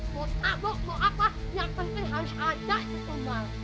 mau tabok mau apa yang penting harus ada itu tumbal